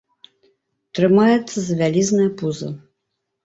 Трымаецца за вялізнае пуза.